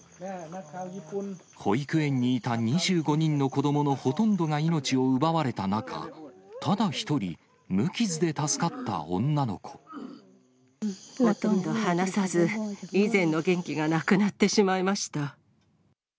保育園にいた２５人の子どものほとんどが命を奪われた中、ただ一人、ほとんど話さず、以前の元気がなくなってしまいました。